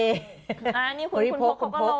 อันนี้คุณพกเขาก็ลง